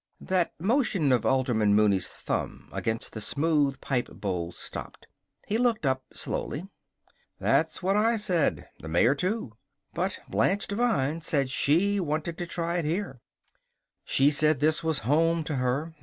That motion of Alderman Mooney's thumb against the smooth pipe bowl stopped. He looked up slowly. "That's what I said the mayor too. But Blanche Devine said she wanted to try it here. She said this was home to her.